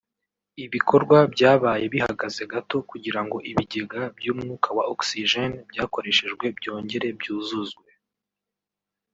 ibikorwa byabaye bihagaze gato kugira ngo ibigega by’umwuka wa Oxgène byakoreshejwe byongere byuzuzwe